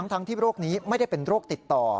ทั้งที่โรคนี้ไม่ได้เป็นโรคติดต่อ